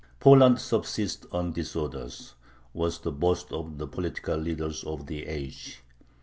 "Poland subsists on disorders," was the boast of the political leaders of the age.